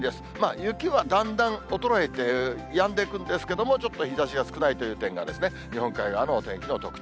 雪はだんだん衰えて、やんでいくんですけれども、ちょっと日ざしが少ないという点がですね、日本海側のお天気の特徴。